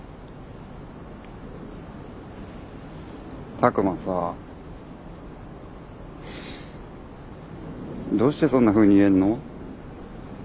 拓真さあどうしてそんなふうに言えんの？